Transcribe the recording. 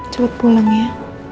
cepet pulang ya